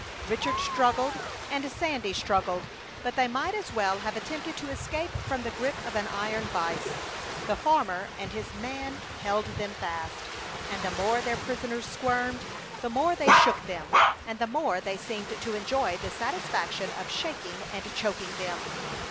Richard struggled, and Sandy struggled; but they might as well have attempted to escape from the grip of an iron vise. The farmer and his man held them fast; and the more their prisoners squirmed, the more they shook them, and the more they seemed to enjoy the satisfaction of shaking and choking them.